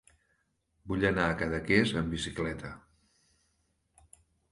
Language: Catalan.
Vull anar a Cadaqués amb bicicleta.